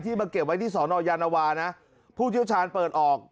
มาเก็บไว้ที่สอนอยานวานะผู้เชี่ยวชาญเปิดออก